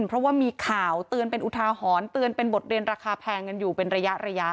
เพราะว่ามีข่าวเตือนเป็นอุทาหรณ์เตือนเป็นบทเรียนราคาแพงกันอยู่เป็นระยะ